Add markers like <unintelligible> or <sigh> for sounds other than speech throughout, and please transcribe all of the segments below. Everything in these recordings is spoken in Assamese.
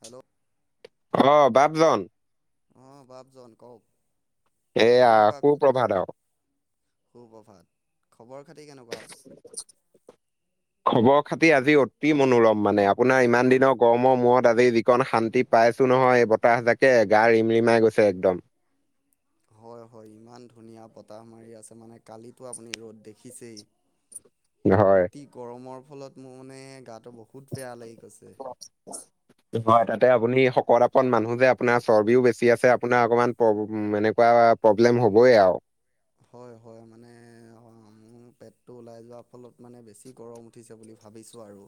হেল্ল'। অ' বাপজন। অ' বাপজন কওক। এয়া সো প্ৰভাত আৰু। সু প্ৰভাত। খবৰ খাতি কেনেকুৱা আপোনাৰ? <inaudible> খবৰ খাতি আজি অতি মনোৰম, মানে আপোনাৰ ইমান দিনৰ গৰমৰ মূৰত আজি যিখন শান্তি পাই ছো নহয়, এই বতাহ জাকে গা ৰিমৰিমাই গৈছে একদম। হয় <inaudible> হয় ইমান ধুনীয়া বতাহ মাৰি আছে মানে কালিতো আপুনি ৰ'দ দেখিছেই। হয় অতি গৰমৰ ফলত মোৰ মানে গাত বহুত বেয়া লাগি গৈছে কৰাপন মানুহ যে আপোনাৰ চৰ্বিও বেছি আছে আপোনাৰ অকমান প্ৰ এনেকুৱা প্ৰব্লেম হ'বই আৰু হয় হয় মানে অ', পেটটো ওলাই যোৱাৰ ফলত মানে বেছি গৰম উঠিছে বুলি ভাবিছোঁ আৰু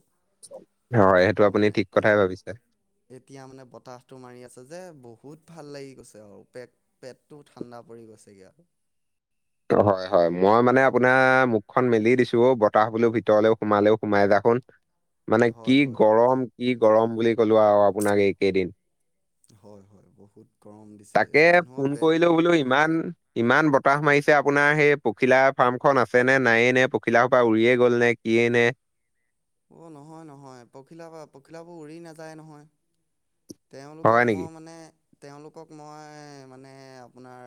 হয় সেইটো আপুনি মানে ঠিক এ কথাই ভাবিছে এতিয়া মানে বতাহটো মাৰি আছে যে বহুত ভাল লাগি গৈছে আৰু পেট পেট টো ঠাণ্ডা পৰি গৈছে পছেগ আৰু <unintelligible> <inaudible> হয় হয় মই মানে আপোনাৰ মুখখন মেলি দিছো বতাহ বলো ভিতৰলৈও সোমালেও সোমাই দেখোন মানে হয় কি হয় গৰম কি গৰম বুলি কলো আৰু আপোনাক এইকেইদিন? হয় হয় বহুত গৰম দিছে তাকে মানুহৰ ফোন বে কৰিলেও বোলো ইমান ইমান বতাহ সপাহ মাৰিছে আপোনাৰ সেই পখিলা ফাৰ্মখন আছে নে নায়য়ে নে পখিলা পৰা উৰিয়ে গ'ল নে কিয়েই নে? <inaudible> অ', নহয় নহয় পখিলা পখিলাবোৰ উৰি নাযায় নহয় হয় তেওঁলোকক নেকি মই মানে তেওঁলোকক মই মানে আপোনাৰ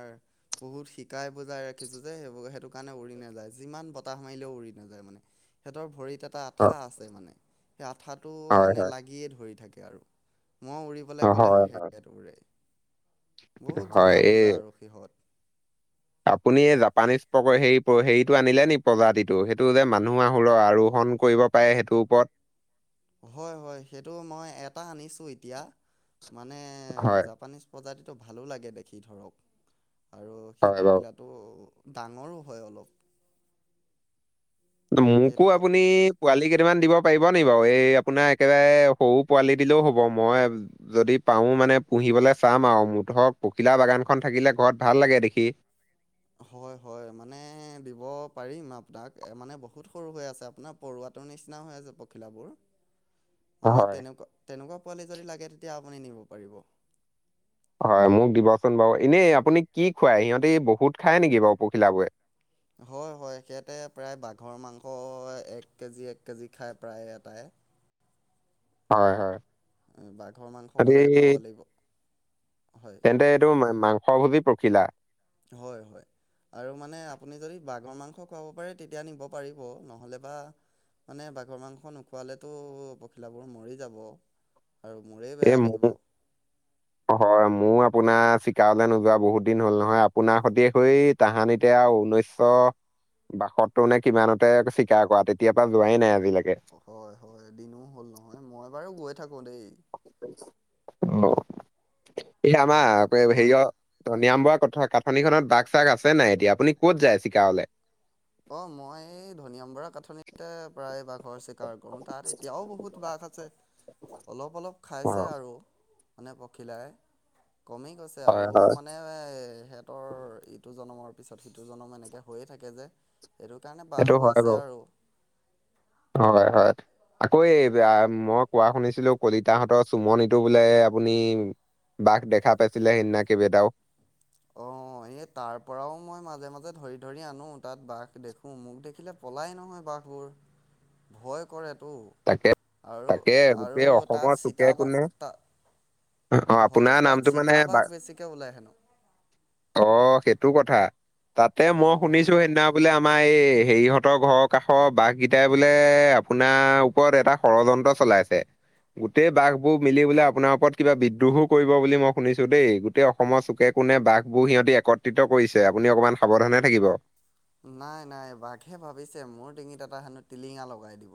বহুত শিকাই বুজাই ৰাখিছোঁ যে সেইবোৰ সেইটো কাৰণে উৰি নাযায় যিমান বতাহ মাৰিলেও উৰি নাযায় মানে সিহতৰ ভৰিত এটা হয় আঠা আছে মানে সেই আঠাটো হয় মানে হয় লাগিয়ে ধৰি থাকে আৰু মই অ, উৰিবাই হয় ক'লেহে সে উৰে বহুত হয় জনা এই বুজা আৰু সিহঁত আপুনি এই জাপানিজ হে হেৰিটো আনিলে নি প্ৰজাতিটো সেইটো যে মানুহ আহুৰ আৰু ফন কৰিব পাৰে সেইটোৰ ওপৰত হয় হয় সেইটো মই এটা আনিছো এতিয়া মানে হয় জাপানিজ প্ৰজাতিটো ভালো লাগে দেখি ধৰক আৰু সেই হয় বাৰু পখিলাটো ডাঙৰো হয় অলপ মোকো সেইটো প আপুনি পোৱালি কেইদান দিব পাৰিব <unintelligible> বাৰু এই আপোনাৰ একেবাৰে সৰু পোৱালি দিলেও হ'ব মই যদি পাও মানে পুহিব চাম আৰু মতৰক পখিলা বাগানখন থাকিলে ঘৰত ভাল লাগে দেখি হয় হয় মানে দিব পাৰিম আপোনাক মানে বহুত সৰু হৈ আছে আপোনাৰ পৰুৱাত তাতৰ নিচিনা হৈ আছে পখিলাাবোৰ মানে হয় তেনেক তেনেকুৱা পোৱালি যদি লাগে তেতিয়া আপুনি নিব পাৰিব হয় মোক দিবচোন বাৰু এনেই আপুনি কি খুৱাই সিহঁতে বহুত খায় নেকি বাৰু পখিল বোৰে হয় হয় সিহয়াঁতে প্ৰায় বাঘৰ মাংস এক কেজি এক কেজি খায় প্ৰায় এটাই হয় হয় বাঘৰ মাংস সিহঁতি সদায় খুৱাব লাগিব হয় তেন্তে এইটো মাংস ভোজি পখিলা হয় হয় আৰু মানে আপুনি যদি বাগৰ মাংস খুৱাব পাৰে তেতিয়া নিব পাৰিব নহ'লে বা মানে বাঘৰ মাংস নোখোৱালেতো পখিলাবোৰ মৰি যাব আৰু মোৰেই এ বেয়া লাগিব। মোৰ হয় মোৰ আপোনাৰ চিকাৰলে নোযোৱা বহুত দিন হ'ল নহয় আপোনাৰ সৈ হৈ তাহানিতে আৰু উঊনৈশশ বাাসতটোানে কিমানতে চিকাৰ কৰা তেতিয়াৰ পৰা যোৱাই নাই আজিলৈকে হয় হয় দিনো হ'ল নহয় মই বাৰু গৈ থাকো দেই <unintelligible> অ এ হয় আমাৰ মই হেৰিয় নিয়ম বৰা কথা কাঠনিখননত দাগ চাগ আছে নাই এতিয়া আপুনি ক'ত যায় চিকাৰলে অ', মই এই ধন আম বৰা কাঠনিতে প্ৰায় বাঘৰ চিকাৰ কৰো তাত এতিয়াও বহুত বাঘ অলপ অলপ খাইছে হয় আৰু মানে পখিলাই কমি গৈছে হয় আৰু হয় মানে সিহঁতৰ ইটো জন্মৰ তাৰপিছত সিটো জনম এনেকৈ হৈয়ে থাকে যে সেইটো কাৰণে সেইটো বহবোৰ হয় আছে বাৰু আৰু হয় হয়। আকৌ এই মই কোৱা শুনিছিলো কলিত তাহতৰ চুমনটো বোলে আপুনি বাঘ দেখা পাইছিলে সেইদিনা কিবেইটাও? <inaudible> অঁ এই তাৰ পৰাও মই মাজে মাজে ধৰি ধৰি আনো, তাত বাঘ দেখো মোক দেখিলে পলাই নহয় বাঘ। <unintelligible> ভয় কৰে। ত। তাকে তাকে আৰু-আৰু গোটেই অসমৰ তাত চুকে কোণে চিতাবাঘ তা অ হয় আপোনাৰ নামটো তাত মানে বা চিতাবঘ বেছিকে ওলাই হেনো। অ সেইটো কথা। তাতে অ মই শুনিছো সেইদিনা বোলে আমাৰ এই হেৰিহঁতৰ ঘৰৰ কাষৰ বাঘকেইটাই বোলে আপোনাৰ ওপৰত এটা ষড়যন্ত্ৰ চলাইছে। গোটেই বাঘবোৰ মিলি বোলে আপোনাৰ ওপৰত কিবা বিদ্ৰোহো কৰিব বুলি মই শুনিছো দেই, গোটেই অসমৰ চুকে কোনে বাঘবোৰ সিহঁতি একত্ৰিত কৰিছে, আপুনি অকমান সাৱধানে থাকিব। নাই নাই বাঘে ভাবিছে মোৰ ডটিঙিত এটা হেনো টিলিঙা লগাই দিব।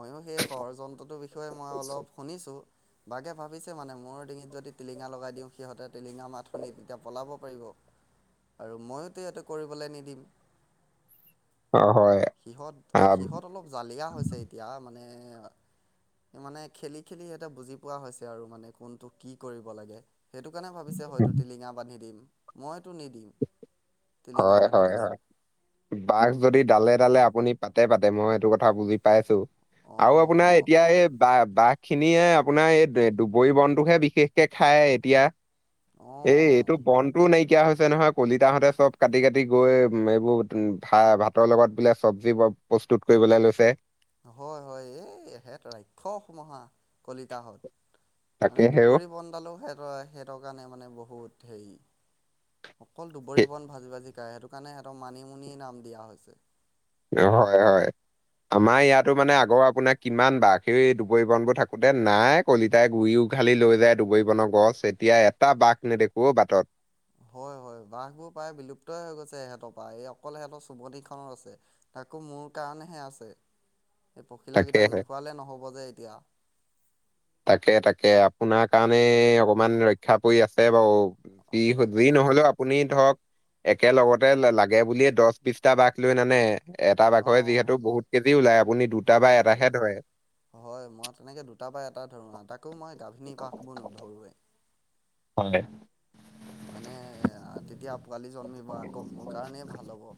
ময়ো সেই ষড়যন্ত্ৰটোৰ বিষয়ে মই অলপ শুনিছো। বাঘে ভাবিছে মানে মোৰ ডিঙিত যদি টিলিঙা লগাই দিওঁ সিহঁতে টিলিঙা মাত শুনি তেতিয়া পলাব পাৰিব। আৰু ময়োতো ইহঁতে কৰিবলৈ নিদিম। অ হয় আহ সিহঁত-সিহঁত অলপ জালিয়া হৈছে এতিয়া মানে <inaudible> মানে খেলি খেলি সিহঁতে বুজি পোৱা হৈছে আৰু মানে কোনটো কি কৰিব লাগে। সেইটো কাৰণে ভাবিছে হয়তো টিলিঙা বান্ধি দিম। মইতো নিদিম। টিলিঙা বান্ধিবলৈ হয়-হয়-হয় বাঘ যদি ডালে ডালে আ আপুনি পাতে-পাতে মই এইটো কথা বুজি পাইছো। আৰু অঁ আপোনাৰ ম এতিয়া এই বা বাঘ খিনিয়ে আপোনাৰ এই দুবৰি বনটোকহে বিশেষকে খায় এতিয়া। এই অঁ এইটো বনটোও নাইকিয়া হৈছে নহয় কলিতাহঁতে চব কাটি কাটি গৈ উম এইবোৰ উম ভা-ভাতৰ লগত বিলে চব্জি প্ৰস্তুত কৰিবলৈ লৈছে। হয় হয় এই এহেত ৰাক্ষস সুমাখা। কলিতাহত। মানে তাকে সেও দুবৰি বনডালো সেত-সেইহতৰ কাৰণে মানে বহুত। কেই অকল দুবৰি সে- বন ভাজি-ভাজি খায়। সেইটো কাৰণে সিহঁতক মানিমুনি নাম দিয়া হৈছে। হয় হয়। আমাৰ ইয়াতো মানে আগৰ আপোনাৰ কিমান বাঘে দুপৰি বনবোৰ থাকোতে, নাই কলিতাই গুৰিও উঘালি লৈ যায় ডুবৰি বনৰ গছ, এতিয়া এটা বাঘ নেদেখো বাটত। হয় হয় বাঘবোৰ প্ৰায় বিলুপ্তই হৈ গৈছে ইহঁতৰ পৰা। এই অকল সিহঁতৰ চুমনি খনৰ আছে। তাকো মোৰ কাৰণেহে আছে এই পখিলাকেইটাক তাকেহে নোখোৱালে নহ'ব যে এতিয়া। তাকে তাকে আপোনাৰ কাৰণে অকমান ৰক্ষা পৰি আছে বাৰু। দি হয় সতভৰি হয় নহলেও আপুনি ধৰক একেলগতে লাগে বুলিয়ে দহ বিশটা বাঘ লৈ নানে এটা বাঘৰে অঁ যিহেতু বহুত কেজি ওলায় আপুনি দুটা বা হয় হয় এটাহে ধৰে। হয় মই তেনেকে দুটাৰ পৰা এটা ধৰো, তাকো মই গাভিনী বাঘবোৰ নোধৰোৱে। হয়। মানে তেতিয়া পোৱালি জন্মিব আকৌ মোৰ কাৰণেই ভাল হ'ব।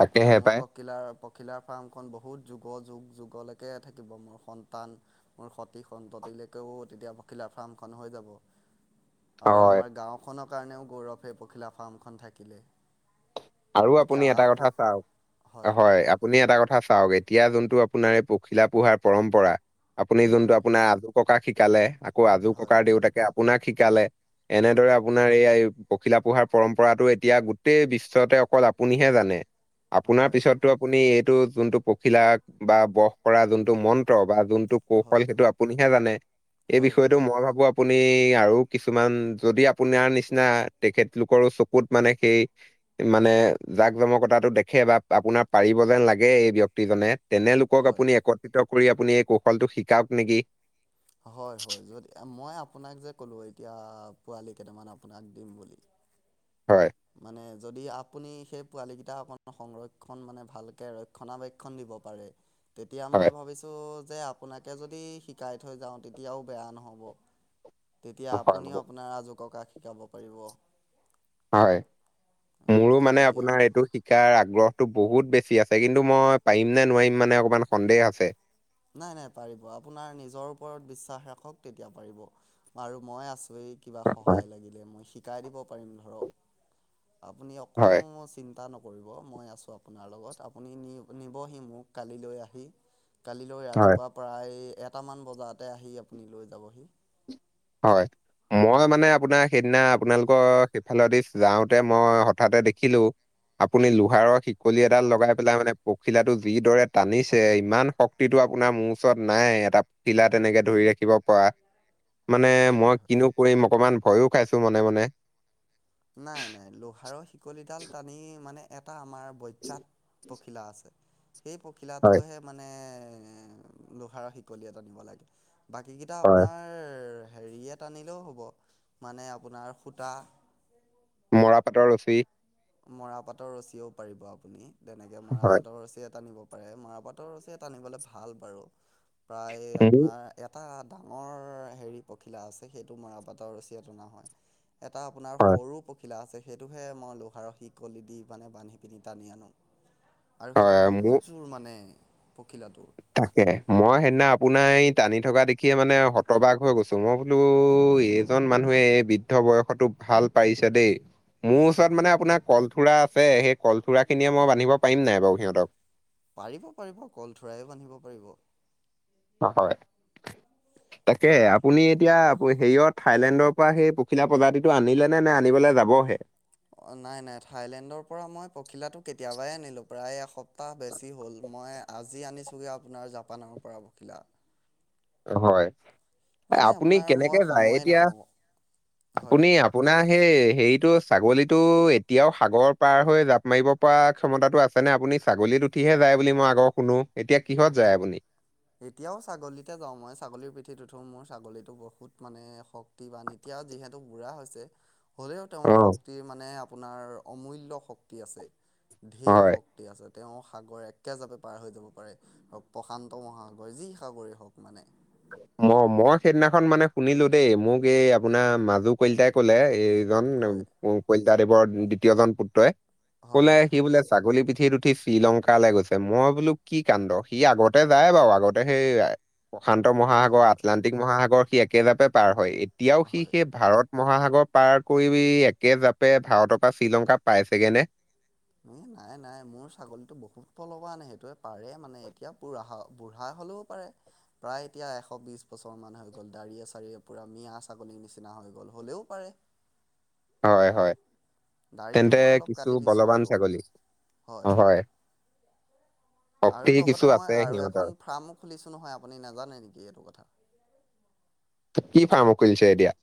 তেতিয়া মোৰ পায় পকিলাৰ পখিলাৰ ফাৰ্মখন বহুত যুগ-যুগ-যুগলৈকে থাকিব। মোৰ সন্তান, মোৰ সতি সন্ততি <unintelligible> তেতিয়া পখিলা ফাৰ্মখন হৈ যাব। আৰু হয় আমাৰ গাঁওখনৰ কাৰণেও গৌৰৱে সেই পখিলা ফাৰ্মখন থাকিলে। আৰু এতিয়া আপুনি এটা আপ কথা চাওক, হয় আপুনি এটা কথা চাওক এতিয়া যোনটো আপোনাৰ এই পখিলা পোহাৰ পৰম্পৰা, আপুনি যোনটো হয় আপোনাৰ আ ককা শিকালে, আকৌ আজো হয় ককাৰ দেউতাকে আপোনাক শিকালে, হয় এনেদৰে আপোনাৰ এই পখিলা পোহাৰ পৰম্পৰাটো এতিয়া গোটেই বিশ্বতে অকল আপুনিহে জানে। আপোনাৰ হয় হয় পিছতটো আপুনি এইটো যোনটো পখিলাক বা বস কৰা যোনটো মন্ত্ৰ বা যোনটো কৌশল হয় সেইটো আপুনিহে জানে, এই হয় বিষয়টো মই ভাবো আপুনি আৰু কিছুমান যদি আপোনাৰ নিচিনা তেখেত লোকৰো চকুত মানে সেই মানে জাক জমকতাটো দেখে বা আপোনাৰ পাৰিব যেন লাগে এই ব্যক্তিজনে। তেনে লোকক হয় আপুনি একত্ৰিত কৰি আপুনি এই কৌশলটো শিকাওক নেকি। হয়, হয় যদি মই আপোনাক যে ক'লো এতিয়া পোৱালি কেইটামান আপোনাক দিম বুলি। <inaudible> মানে যদি আপুনি সেই পোৱালি কেইটা অকন সংৰক্ষণ মানে ভালকে ৰক্ষণাবেক্ষণ দিব পাৰে। তেতিয়া হয় মই ভাবিছোঁ যে আপোনাকে যদি শিকাই থৈ যাওঁ তেতিয়াও বেয়া নহ'ব। তেতিয়া হয় আপুনিও মোৰ- আপোনাৰ আজো ককাক শিকাব পাৰিব। হয়, মোৰো হয় মানে তেতিয়া আপোনাৰ এইটো শিকাৰ আগ্ৰহ টো বহুত বেছি আছে। কিন্তু মই পাৰিম নে নোৱাৰিম মানে অকমান সন্দেহ আছে। নাই নাই পাৰিব। আপোনাৰ নিজৰ ওপৰত বিশ্বাস ৰাখক তেতিয়া পাৰিব আৰু মই আছো ৱেই কিবা হয় সহায় লাগিলে মই শিকাই দিব পাৰিম ধৰক। আপুনি অকণো হয় ম চিন্তা নক নকৰিব মই আছো আপোনাৰ লগত। আপুনি নি নিবহি মোক কালিলৈ আহি। কালিলৈ হয়। ৰাতিপুৱা প্ৰায় এটামান বজাতে আহি লৈ যাবহি। হয়। মই মানে আপোনাৰ সেইদিনা হয় আপোনালোকৰ সেইফালেদি যাওঁতে মই হঠাতে দেখিলো। আপুনি লোহাৰৰ শিকলি এডাল হয় লগাই পেলাই মানে পখিলাটো যিদৰে টানিছে। ইমান শক্তিটো আপোনাৰ মোৰ ওচৰত নাই এটা পখিলা তেনেকে ধৰি ৰাখিব পৰা। মানে হয় মই হয় কিনো কৰিম অকমান ভয়ো খাইছো মনে মনে। নাই নাই লোহাৰৰ শিকলিডাল টানি মানে এটা আমাৰ বজ্যাত পখিলা আছে। সেই হয় পখিলাটোহে মানে এ লোহাৰ শিকলি এটা টানিব লাগে। বাকীকেইটা হয় আপোনাৰ হেৰি টানিলেও হ'ব মানে আপোনাৰ সূতা। মৰা পাটৰ ৰঁচী। মৰাপাতৰ ৰঁছীয়েও পাৰিব আপুনি। তেনেকে মৰা হয় পাতৰ ৰঁছীয়ে টানিব মাৰা পাটৰ ৰঁচীৰে টানিবলৈ ভাল বাৰু। প্ৰায় মোৰ আপোনাৰ এটা ডাঙৰ হেৰি পখিলা আছে সেইটো মৰাপাটৰ ৰঁচীয়ে টনা হয়। এটা আপোনাৰ হয় সৰু পখিলা আছে। সেইটোহে মই ল লোহাৰৰ শিকলি দি মানে বান্ধি পিনি টানি আনো। আৰু সেইটো হয় মোৰ বহুত জোৰ মানে পখিলাটো। তাকে মই সেইদিনা আপোনাৰ এই টানি থকা দেখিয়ে মানে হতবাগ হৈ গৈছো। মই বোলো এইজন মানুহে বৃদ্ধ বয়সতো ভাল পাৰিছে দেই। মোৰ ওচৰত হয় মানে হয় আপোনাৰ কলঠোৰা আছে সেই কলঠোৰাখিনিয়ে মই বান্ধিব পাৰিম নাই বাৰু সিহঁতক? পাৰিব পাৰিব কলথোৰায়ো বান্ধিব পাৰিব। অ', হয়। তাকেহে আপুনি এতিয়া হেৰিয়ত থাইলেণ্ডৰ পৰা সেই পখিলা প্ৰজাতিটো আনিলে নে? নে আনিবলৈ যাবহে? নাই নাই থাইলেণ্ডৰ পৰা মই পখিলাটো কেতিয়াবাই আনিলো প্ৰায় এসপ্তাহ বেছি হ'ল। মই আজি আনিছো গৈ আপোনাৰ জাপানৰ পৰা পখিলা। হয়। মানে আপুনি আপোনাৰ কেনেকে মই যায়? সময়ে এতিয়া নাপাওঁ হয় আপুনি হয় আপোনাৰ হেই হেৰিটো ছাগলীতটো এতিয়াও সাগৰৰ পাৰ হৈ জাপ মাৰিব পৰা ক্ষমতাটো আছে নে? আপুনি আপুনি ছাগলীত উঠিহে যায় বুলি হে মই আকৌ শুনো। এতিয়া কিহত যায় আপুনি? এতিয়াও ছাগলীতে যাওঁ মই। ছাগলীৰ পিঠিত উঠো মোৰ ছাগলীটো বহুত মানে শক্তি বান। এতিয়াও যিহেতু বুঢ়া হৈছে। হ'লেও তেওঁৰ অ'। শক্তি মানে আপোনাৰ অমূল্য শক্তি আছে। ধেৰ হয়। শক্তি আছে তেওঁ সাগৰ একেজাপে পাৰ হৈ যাব পাৰে। ক প্ৰশান্ত মহাসাগৰ যি সাগৰে হওক মানে ম মই সেইদিনাখন মানে শুনিলো দেই মোক এই আপোনাৰ মাজু কলিতাই কলে এই হয় কলিতাদেৱৰ দ্বিতীয়জন পুত্ৰই হয় কলে হয় সি বোলে ছাগলী পিঠ উঠ উঠি শ্ৰীলংকালৈ গৈছে মই বোলো কি কাণ্ড সি আগতে যায় বাৰু আগতে সেই প্ৰশান্ত হয় মহাসাগৰ হয় হয় আটলানটিক মহাসাগৰ সি একেজাপে পাৰ হয় এতিয়াও সি হয়। সেই ভাৰত মহাসাগৰ পাৰ কৰি একে জাপে ভাৰতৰ পৰা শ্ৰীলংকা পাইছেগে নে? নাই নাই মোৰ ছাগলীতটো বহুত বলবান সেইটোৱে পাৰে মানে এতিয়া বুঢ়া বুঢ়া হ'লেও পাৰে প্ৰায় এতিয়া এশ বিশ বছৰ মান হৈ গ'ল দাড়ি এ চাৰিৱে পুৰা মিয়া ছাগলীৰ নিচিনা হৈ গল হলেও পাৰে হয় হয় দাড়িটো তেন্তে মই অলপ কিছু কাটি দিছোঁ বলৱান বাৰু ছাগলী অ হয় শক্তি আৰু কিছু লগতে মই আছে আৰু সিহঁতৰ এখন ফাৰ্ম খুলিছোঁ নহয় আপুনি নাজানে নেকি এইটো কথা কি ফাৰ্ম খুলছে এতিয়া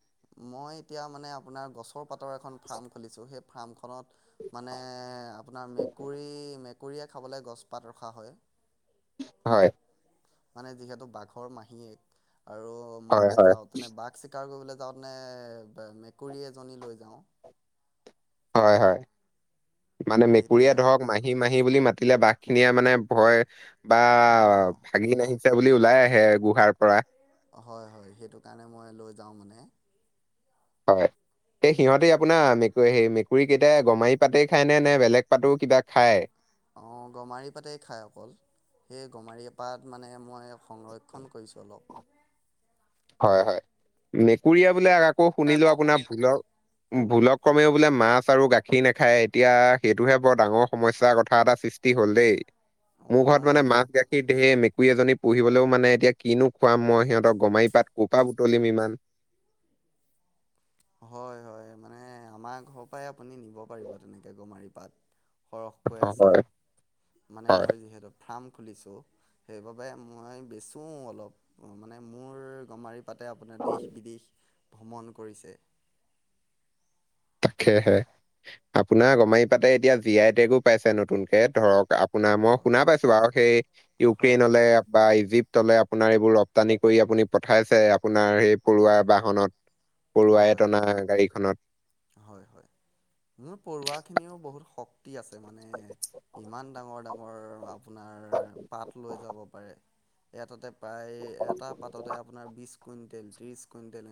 মই এতিয়া মানে আপোনাৰ গছৰ পাতৰ এখন ফাৰ্ম খুলিছো সেই ফাৰ্মখনত মানে আপোনাৰ মেকুৰী মেকুৰীয়ে খাবলৈ গছপাত ৰখা হয় হয় মানে যিহেতু বাঘৰ মাহীয়েক আৰু হয় মই হয় যাওঁতেনে বাঘ চিকাৰ কৰিবলৈ যাওঁত নে মেকুৰী এজনী লৈ যাওঁ হয় হয় মানে সেইটোৱে মেকুৰীয়ে আৰু ধৰক মাহী মাহী বুলি মা দিলে বাঘ খিনিয়ে মানে ভয় বা অঁ ভাগি <unintelligible> আছে বুলি ওলাই আহে গুহাৰ পৰা হয় হয় সেইটো কাৰণে মই লৈ যাওঁ মানে হয় সেই সিহঁতে আপোনাৰ মেকুৰী সেই মেকুৰী ইতিয়া গমাৰি পাতেই খায়নে নে বেলেগ পাতেও কিবা খায় অ', গমাৰি পাতে খাই অকল সেই গমাৰি পাত মানে মই সংৰক্ষণ কৰিছোঁ অলপ হয় হয় মেকুৰীয়ে বোলে আকৌ শুনিলো আপোনাৰ ভুলৰ ভুলক ক্ৰমেও বোলে মাছ আৰু গাখীৰ নাখায় এতিয়া সেইটোহে বৰ ডাঙৰ সমস্যাৰ কথা এটা সৃষ্টি হল দেই মোৰ ঘৰত অঁ মানে সেই মাছ গাখীৰ ঢেৰ ম পুৰী এজনী পুহিবলৈও মানে এতিয়া কিনো খুৱাম মই সিহঁতক গমাৰি পাত কোৰ পৰা বুতলিম ইমান হয় হয় মানে আমাৰ ঘৰ পৰাই আপুনি নিব পাৰিব তেনেকে গমাৰি পাত সৰহকৈ আছে হয় মানে হয় মই যিহেতু ফাম তুলিছো সেই বাবে মই বেচো অলপ মানে মোৰ গমাৰি তাতে আপোনাৰ দেশ বিদেশ ভ্ৰমণ কৰিছে তাকেহে আপোনাৰ গমাৰি পাতে এতিয়া জি আই টেগো পাইছে নতুনকে ধৰক শুনা মই হয় শুনা হয় পাইছো আৰু সেই হয় ইউক্ৰেইনলে বা ইজিপ্ত তালে আপোনাৰ এইবোৰ ৰপ্তানি কৰি আপুনি পঠাইছে আপোনাৰ সেই পৰুৱা বাহনত পৰুৱাই এ হয় টনা হয় গাড়ীখনত হয় হয় মোৰ পঢ়ৱা খিনিও বহুত শক্তি আছে মানে ইমান ডাঙৰ ডাঙৰ আপোনাৰ পাত লৈ যাব পাৰে ইয়াত ততে প্ৰায় এটা পাততে আপোনাৰ বিশ কুইণ্টেল ত্ৰিছ কুইণ্টেল এ